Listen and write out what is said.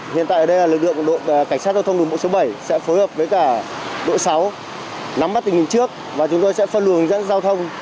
hiện tại đây là lực lượng cảnh sát giao thông đường bộ số bảy sẽ phối hợp với cả đội sáu nắm bắt tình hình trước và chúng tôi sẽ phân luận dân giao thông